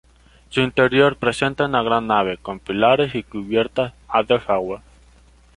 Su interior presenta una gran nave, con pilares y cubierta a dos aguas.